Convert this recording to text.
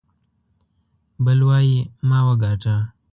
بل وايي ما وګاټه.